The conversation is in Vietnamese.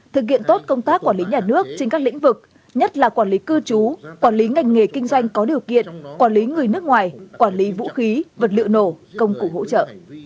thực hiện tốt công tác quản lý nhà nước trên các lĩnh vực nhất là quản lý cư trú quản lý ngành nghề kinh doanh có điều kiện quản lý người nước ngoài quản lý vũ khí vật liệu nổ công cụ hỗ trợ